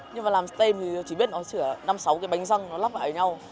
nhưng mà làm stem thì chỉ biết nó chỉ là năm sáu cái bánh răng nó lắp lại nhau